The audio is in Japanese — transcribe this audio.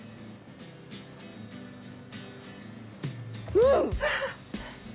うん！